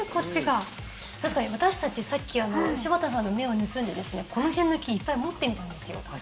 確かに私たちさっき柴田さんの目を盗んでこの辺の木いっぱい持ってみたんですよ。